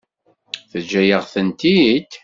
Teǧǧa-yaɣ-tent-id?